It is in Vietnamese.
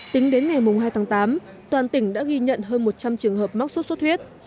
tính đến ngày hai tháng tám toàn tỉnh đã ghi nhận hơn một trăm linh trường hợp mắc sốt xuất huyết